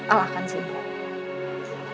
al akan sembuh